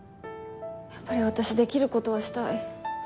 やっぱり私できる事はしたい。